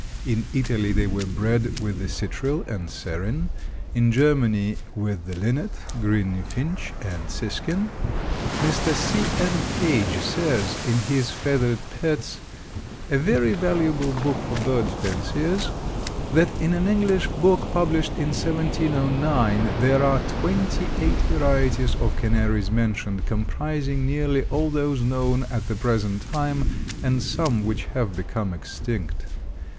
In Italy they were bred with the citril and serin; in Germany with the linnet, green finch, and siskin. Mr. C. N. Page says, in his "Feathered Pets," a very valuable book for bird fanciers, that in an English book published in 1709 there are twenty eight varieties of canaries mentioned, comprising nearly all those known at the present time and some which have become extinct.